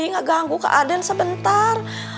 enggak ganggu ke aden sebentar